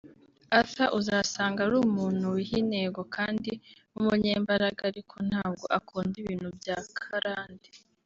Arthur uzasanga ari umuntu wiha intego kandi w’umunyembaraga ariko ntabwo akunda ibintu bya karande